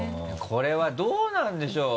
これはどうなんでしょう？